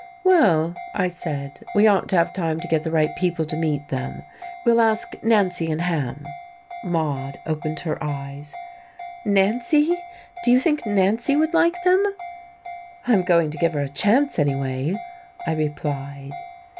"Well," I said, "we ought to have time to get the right people to meet them. We'll ask Nancy and Ham." Maude opened her eyes. "Nancy! Do you think Nancy would like them?" "I'm going to give her a chance, anyway," I replied....